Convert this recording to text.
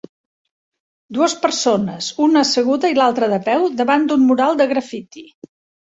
Dues persones, una asseguda i l'altra de peu, davant d'un mural de graffiti.